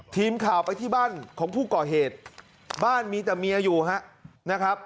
ทีมข่าวไปที่บ้านของผู้ก่อเหตุบ้านมีแต่เมียอยู่ครับนะครับ